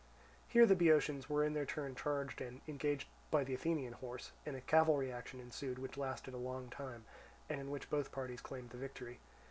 Here the Boeotians were in their turn charged and engaged by the Athenian horse, and a cavalry action ensued which lasted a long time, and in which both parties claimed the victory.